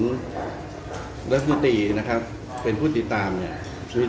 และถือตี่นะครับเป็นผู้ติตามเนี่ย